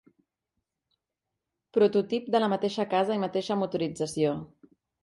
Prototip de la mateixa casa i mateixa motorització.